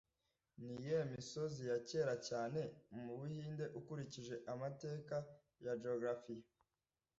Niyihe misozi ya kera cyane mubuhinde ukurikije amateka ya geografiya